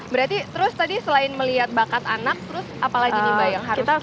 berarti terus tadi selain melihat bakat anak terus apalagi nih mbak yang harus kita lakukan